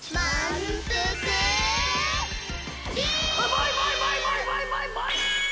バイバイバイバイバイバイバイ。